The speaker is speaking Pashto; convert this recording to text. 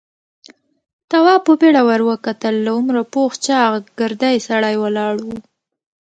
تواب په بيړه ور وکتل. له عمره پوخ چاغ، ګردی سړی ولاړ و.